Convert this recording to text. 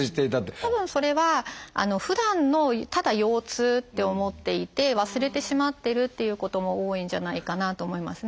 たぶんそれはふだんのただ腰痛って思っていて忘れてしまってるっていうことも多いんじゃないかなと思いますね。